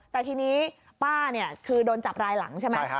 แต่ทีนี้ป้าเนี่ยคือโดนจับรายหลังใช่ไหม